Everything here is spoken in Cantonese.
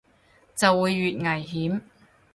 就會越危險